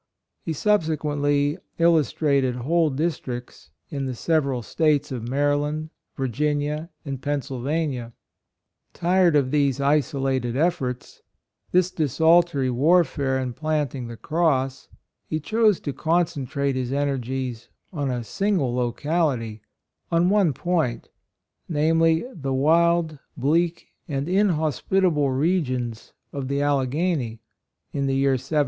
He subsequently illustrated whole dis tricts in the several States of Mary land, Virginia and Pennsylvania. Tired of these isolated efforts — this desultory warfare in planting the cross, he chose to concentrate his energies on a single locality — on one point, viz : the wild, bleak and inhospitable regions of the Al leghany, in the year 1799.